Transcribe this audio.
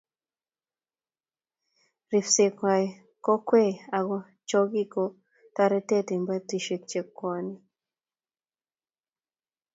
ripsekap kokwee ak chokik ko toretuu en betusiek chekwonei